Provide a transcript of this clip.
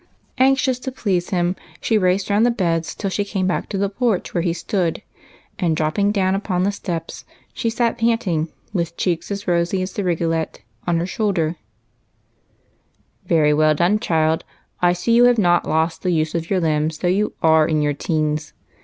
Anxious to please him, she raced round the beds till she came back to the porch where he stood, and, dropping down upon the steps, she sat panting, with cheeks as rosy as the rigolette on her shoulders. " Very well done, child ; I see you have not lost the use of your limbs though you are in your teens.